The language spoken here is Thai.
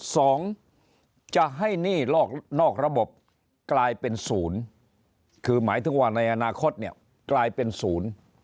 สองจะให้หนี้นอกนอกระบบกลายเป็นศูนย์คือหมายถึงว่าในอนาคตเนี่ยกลายเป็นศูนย์